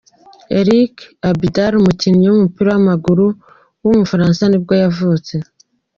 Eric Abidal, umukinnyi w’umupira w’amaguru w’umufaransa nibwo yavutse.